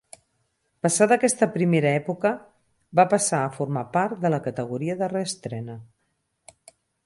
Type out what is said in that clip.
Passada aquesta primera època va passar a formar part de la categoria de reestrena.